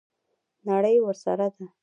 نړۍ ورسره ده.